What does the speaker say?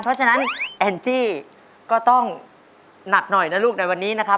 เพราะฉะนั้นแอนจี้ก็ต้องหนักหน่อยนะลูกในวันนี้นะครับ